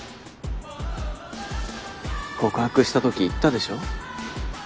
告白したとき言ったでしょ